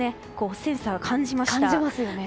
センサー、感じました。